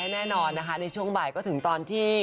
แน่นอนนะคะในช่วงบ่ายก็ถึงตอนที่